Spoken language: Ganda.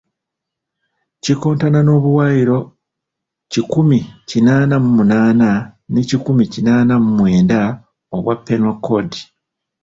Kikontana n'obuwayiro kikumi kinaana mu munaana ne kikumi kinaana mu mwenda obwa Penal Code.